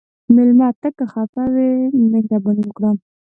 مېلمه ته که خفه وي، مهرباني وکړه.